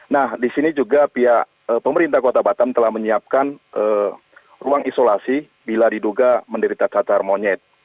nah di sini juga pihak pemerintah kota batam telah menyiapkan ruang isolasi bila diduga menderita cacar monyet